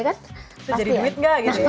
jadi duit enggak gitu ya